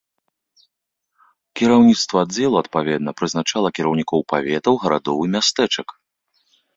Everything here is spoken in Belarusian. Кіраўніцтва аддзелу адпаведна прызначала кіраўнікоў паветаў, гарадоў і мястэчак.